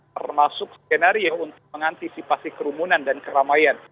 termasuk skenario untuk mengantisipasi kerumunan dan keramaian